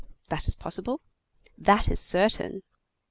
"That is possible." "That is certain."